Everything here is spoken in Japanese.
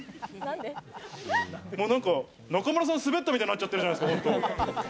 なんか中村さんが滑ったみたいになっているじゃないですか。